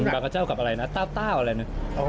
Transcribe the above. บางกระเจ้ากับอะไรนะเต้าอะไรนะ